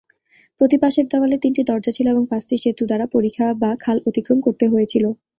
প্রতি পাশের দেওয়ালে তিনটি দরজা ছিল এবং পাঁচটি সেতু দ্বারা পরিখা বা খাল অতিক্রম করতে হয়েছিল।